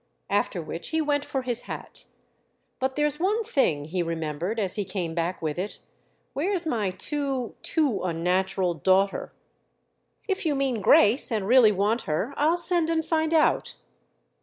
After which he went for his hat. "But there's one thing," he remembered as he came back with it: "where's my too, too unnatural daughter?" "If you mean Grace and really want her I'll send and find out."